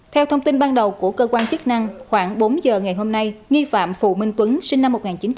theo thông tin ban đầu của cơ quan chức năng khoảng bốn giờ ngày hôm nay nghi phạm phù minh tuấn sinh năm một nghìn chín trăm tám mươi